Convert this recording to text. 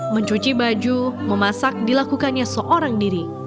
mencuci baju memasak dilakukannya seorang diri